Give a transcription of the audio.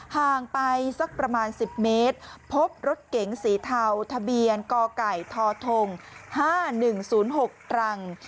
ห่างไปสักประมาณ๑๐เมตรพบรถเก๋งสีเทาทะเบียนกไก่ทท๕๑๐๖ตรัง